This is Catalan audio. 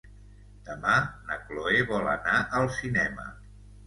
Demà na Chloé vol anar al cinema.